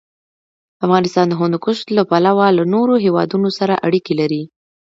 افغانستان د هندوکش له پلوه له نورو هېوادونو سره اړیکې لري.